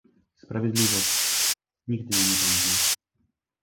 "Sprawiedliwość... nigdy jej nie będzie..."